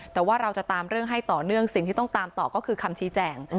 แต่ว่าเราจะตามเรื่องให้ต่อเนื่องสิ่งที่ต้องตามต่อก็คือคำชี้แจง